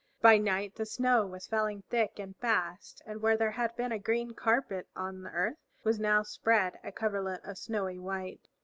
By night the snow was felling thick and fast, and where there had been a green carpet on the earth was now spread a coverlet of snowy white.